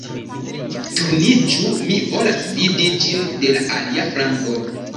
Turniĝu mi volas vidi ĝin de la alia flanko